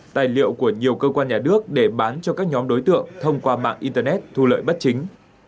tài liệu của nhiều cơ quan nhà nước để bán cho các nhóm đối tượng thông qua mạng internet thu lợi bất chính